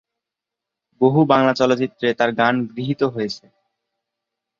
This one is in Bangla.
বহু বাংলা চলচ্চিত্রে তার গান গৃহীত হয়েছে।